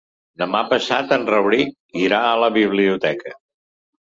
Demà passat en Rauric irà a la biblioteca.